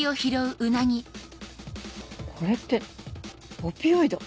これってオピオイド。